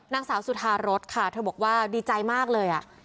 นางสาวสุธารสค่ะเธอบอกว่าดีใจมากเลย